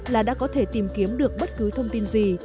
là đã có thể tìm kiếm được bất cứ thông tin gì